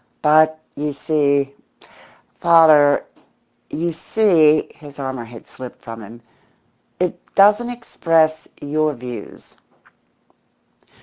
"But, you see, father you see" his armour had slipped from him "it doesn't express your views."